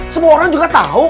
semua orang juga tau